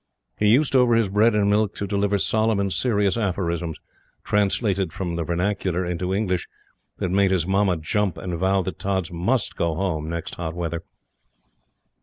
He used, over his bread and milk, to deliver solemn and serious aphorisms, translated from the vernacular into the English, that made his Mamma jump and vow that Tods MUST go home next hot weather.